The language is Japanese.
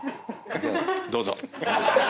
じゃあどうぞ。